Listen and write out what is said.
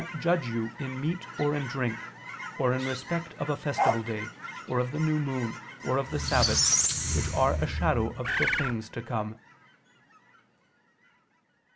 judge you in meat or in drink, or in respect of a festival day, or of the new moon, or of the sabbaths, which are a shadow of things to come."